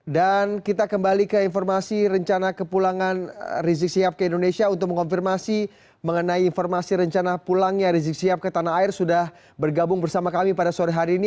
dan kita kembali ke informasi rencana kepulangan rizik sihab ke indonesia untuk mengonfirmasi mengenai informasi rencana pulangnya rizik sihab ke tanah air sudah bergabung bersama kami pada sore hari ini